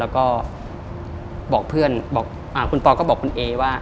แล้วก็บอกเพื่อนบอกคุณปอก็บอกคุณเอว่า